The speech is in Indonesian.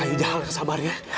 kak adidah gak sabar ya